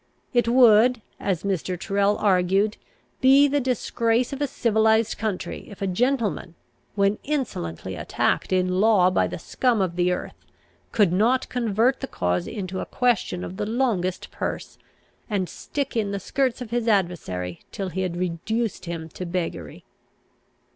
It would, as Mr. Tyrrel argued, be the disgrace of a civilized country, if a gentleman, when insolently attacked in law by the scum of the earth, could not convert the cause into a question of the longest purse, and stick in the skirts of his adversary till he had reduced him to beggary.